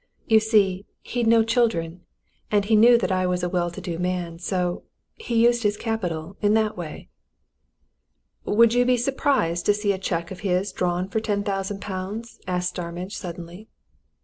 You see, he'd no children, and he knew that I was a well to do man, so he used his capital in that a way." "Would you be surprised to see a cheque of his drawn for ten thousand pounds?" asked Starmidge suddenly.